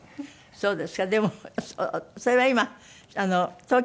そうですね。